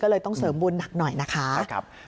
ก็เลยต้องเสริมบุญหนักหน่อยนะคะ